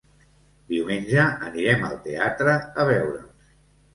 Diumenge anirem al teatre a veure'ls.